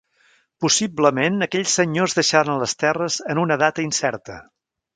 Possiblement aquells senyors deixaren les terres en una data incerta.